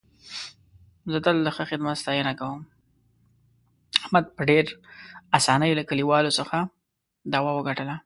احمد په ډېر اسانۍ له کلیوالو څخه دعوه وګټله.